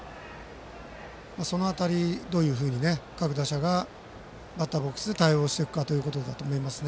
その辺り、どういうふうに各打者がバッターボックスで対応してくるかだと思います。